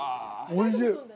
おいしい！